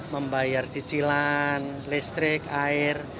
membayar cicilan listrik air